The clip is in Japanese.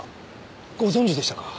ご存じでしたか。